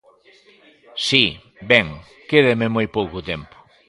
Si, ben, quédame moi pouco tempo.